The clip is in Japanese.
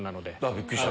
びっくりした。